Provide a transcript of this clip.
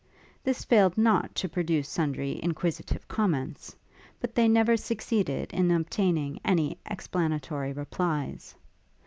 This failed not to produce sundry inquisitive comments; but they never succeeded in obtaining any explanatory replies.